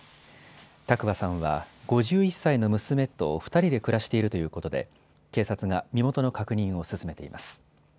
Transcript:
多久和さんは５１歳の娘と２人で暮らしているということで警察が身元の確認を進めています。